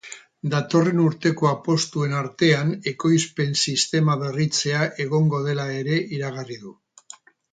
Datorren urteko apustuen artean ekoizpen sistema berritzea egongo dela ere iragarri du.